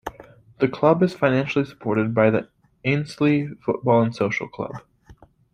The Club is financially supported by the Ainslie Football and Social Club.